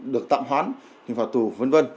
được tạm hoán hình phạt tù v v